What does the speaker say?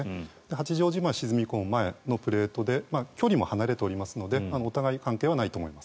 八丈島は沈み込む前のプレートで距離も離れておりますのでお互い関係はないと思います。